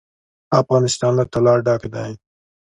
افغانستان له طلا ډک دی.